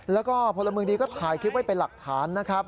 แล้วก็พลเมืองดีก็ถ่ายคลิปไว้เป็นหลักฐานนะครับ